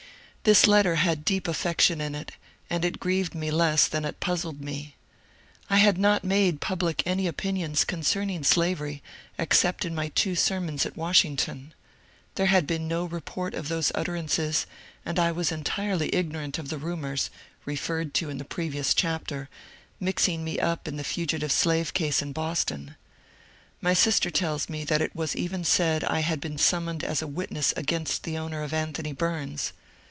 This letter had deep affection in it, and grieved me less than it puzzled me. I had not made public any opinions con cerning slaveiy except in my two sermons at Washington ; there had been no report of those utterances ; and I was en tirely ignorant of the rumours (referred to in the previous chapter) mixing me up in the fugitive slave case in Boston. My sister tells me that it was even said I had been sum moned as a witness against the owner of Anthony Bums.